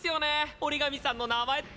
折紙さんの名前って。